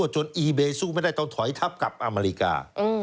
อีเบสู้ไม่ได้ต้องถอยทับกับอเมริกา